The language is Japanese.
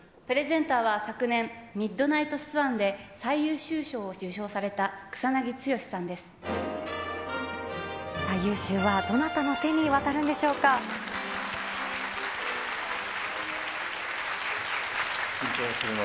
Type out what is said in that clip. プレゼンターは昨年、ミッドナイトスワンで最優秀賞を受賞された草なぎ剛さんです。